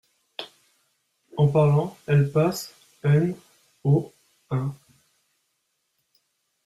En parlant, elle passe n o un.